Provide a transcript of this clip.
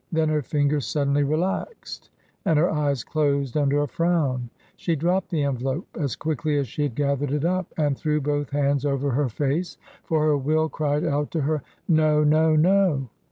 Then her fingers sud denly relaxed and her eyes closed under a frown ; she dropped the envelope as quickly as she had gathered it up and threw both hands over her face. For her will cried out to her " No ! No ! No